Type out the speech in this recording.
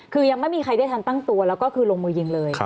คือยังไม่มีใครได้ทันตั้งตัวแล้วก็คือลงมือยิงเลย